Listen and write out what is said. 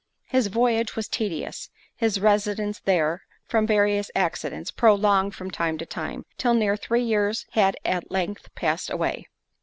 His voyage was tedious; his residence there, from various accidents, prolonged from time to time, till near three years had at length passed away.